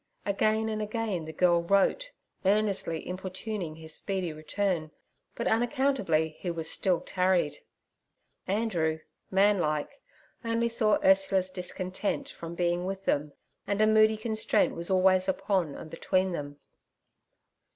Again and again the girl wrote, earnestly importuning his speedy return, but unaccountably he still tarried. Andrew, man like, saw only Ursula's discontent from being with them, and a moody constraint was always upon and between them.